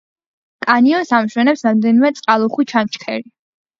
კანიონს ამშვენებს რამდენიმე წყალუხვი ჩანჩქერი.